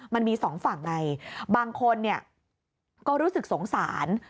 มันมีสองฝั่งไงบางคนก็รู้สึกสงสาร